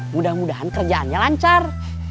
mudah mudahan kerjaannya lancar